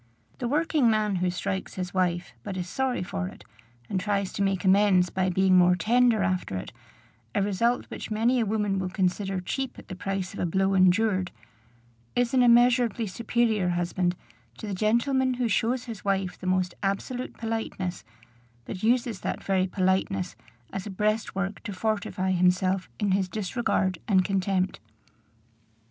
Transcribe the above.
The working man who strikes his wife, but is sorry for it, and tries to make amends by being more tender after it, a result which many a woman will consider cheap at the price of a blow endured, is an immeasurably superior husband to the gentleman who shows his wife the most absolute politeness, but uses that very politeness as a breastwork to fortify himself in his disregard and contempt.